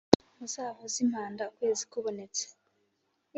Muzavuze impanda ukwezi kubonetse